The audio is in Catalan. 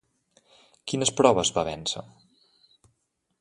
Quines proves va vèncer?